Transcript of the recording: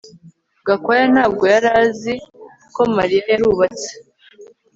Gakwaya ntabwo yari azi ko Mariya yarubatse